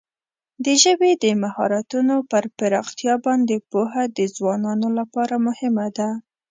د ژبې د مهارتونو پر پراختیا باندې پوهه د ځوانانو لپاره مهمه ده.